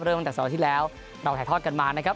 ตั้งแต่สัปดาห์ที่แล้วเราถ่ายทอดกันมานะครับ